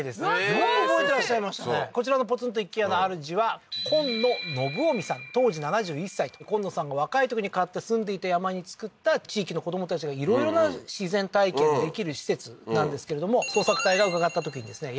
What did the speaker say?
よく覚えてらっしゃいましたねこちらのポツンと一軒家のあるじは昆野宣臣さん当時７１歳と昆野さんが若いときに買って住んでいた山に造った地域の子供たちがいろいろな自然体験のできる施設なんですけれども捜索隊が伺ったときにですね